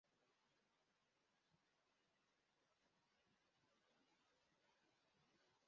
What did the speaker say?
Abakobwa bamwenyura kuri kamera